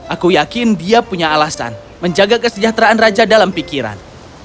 aku yakin dia punya alasan menjaga kesejahteraan raja dalam pikiran